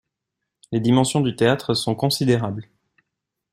Les dimensions du théâtre sont considérables.